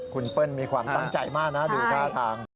คุณเปิ้ลมีความตั้งใจมากนะดูท่าทาง